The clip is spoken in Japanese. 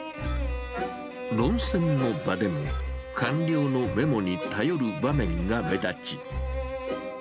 論戦の場でも、官僚のメモに頼る場面が目立ち。